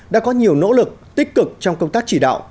đã có nhiều nỗ lực tích cực trong công tác chỉ đạo